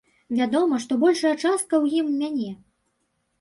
Вядома, што большая частка ў ім мяне.